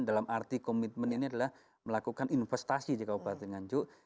dalam arti komitmen ini adalah melakukan investasi di kabupaten nganjuk